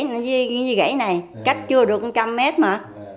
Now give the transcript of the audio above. lụm điệu dưới đuôi gãy này cách chưa được một trăm linh mét mà